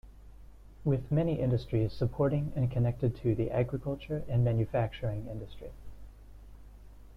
With many industries supporting and connected to the agriculture and manufacturing industry.